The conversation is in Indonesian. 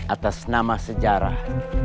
atas nama sejarah